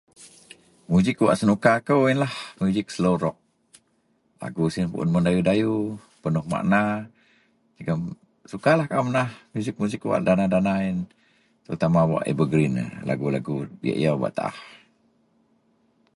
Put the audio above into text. Muzik wak senuka kou yenlah muzik selo rok. Lagu siyen pun mendayu-dayu, penok makna jegem sukalah kaau menaah muzik-muzik wak dana-dana yen terutama wak ebergrin yen. Lagu-lagu diyak yau bak taah.